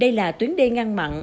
đây là tuyến đê ngang mặn